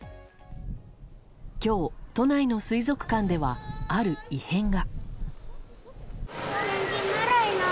今日、都内の水族館ではある異変が。